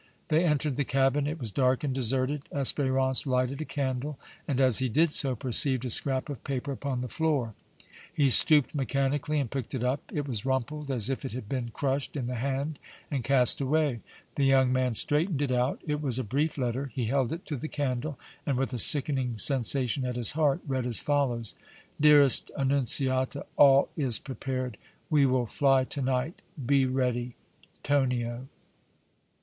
They entered the cabin. It was dark and deserted. Espérance lighted a candle and, as he did so, perceived a scrap of paper upon the floor. He stooped mechanically and picked it up. It was rumpled as if it had been crushed in the hand and cast away. The young man straightened it out. It was a brief letter. He held it to the candle and, with a sickening sensation at his heart, read as follows: DEAREST ANNUNZIATA: All is prepared. We will fly to night. Be ready. TONIO.